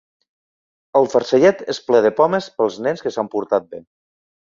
El farcellet és ple de pomes pels nens que s’han portat bé.